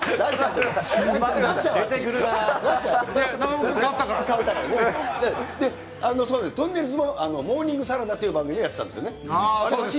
とんねるずも、モーニングサラダという番組をやってたんですよね。